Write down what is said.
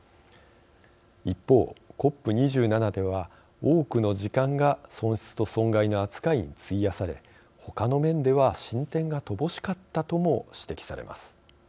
一方、ＣＯＰ２７では多くの時間が、損失と損害の扱いについやされ他の面では進展が乏しかったとも指摘されます。